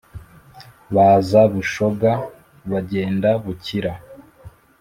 Baza Bushoga, bagenda Bukira;